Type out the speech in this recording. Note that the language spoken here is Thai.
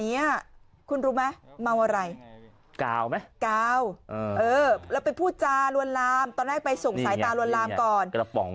อ่ะคุณรู้ไหมเมาอะไรกาวไหมกาวเออแล้วไปพูดจารวรรมตอนแรกไปส่งสายตารวรรมก่อน